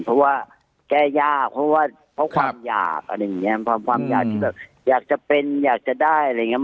เพราะว่าแก้ยากเพราะว่าเพราะความหยาบอะไรงี้อะไรแบบอยากจะเป็นอยากจะได้อะไรเงี้ย